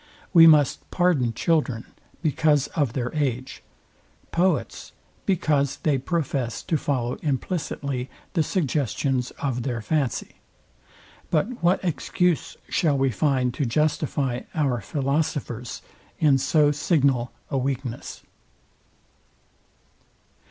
We must pardon children, because of their age; poets, because they profess to follow implicitly the suggestions of their fancy: But what excuse shall we find to justify our philosophers in so signal a weakness?